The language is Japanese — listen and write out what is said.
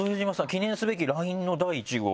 記念すべきＬＩＮＥの第１号が。